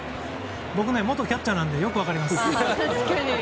僕、元キャッチャーなのでよく分かります。